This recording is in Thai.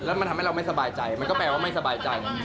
แล้วมันทำให้เราไม่สบายใจมันก็แปลว่าไม่สบายใจ